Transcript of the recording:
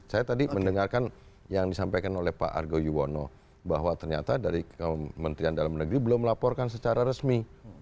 saya tadi mendengarkan yang disampaikan oleh pak argo yuwono bahwa ternyata dari kementerian dalam negeri belum melaporkan secara resmi